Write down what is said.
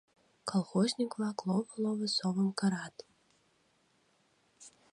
Колхозник-влак лово-лово совым кырат.